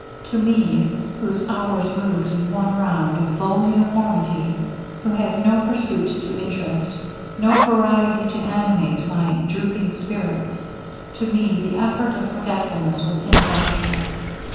'To me, whose hours moved in one round of full uniformity who had no pursuit to interest no variety to animate my drooping spirits to me the effort of forgetfulness was ineffectual.